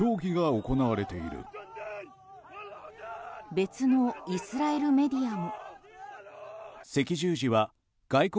別のイスラエルメディアも。